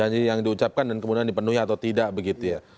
janji yang diucapkan dan kemudian dipenuhi atau tidak begitu ya